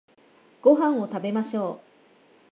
ご飯を食べましょう